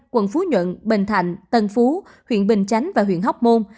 quận phú nhuận bình thạnh tân phú huyện bình chánh và huyện hóc môn